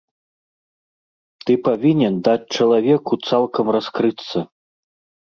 Ты павінен даць чалавеку цалкам раскрыцца.